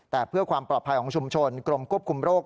แต่เพื่อความปลอดภัยของชุมชนกรมควบคุมโรค